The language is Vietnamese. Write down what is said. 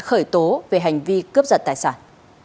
khởi tố về hành vi cướp giật tài sản